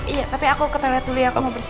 iya tapi aku ke tele tuli aku mau beres nih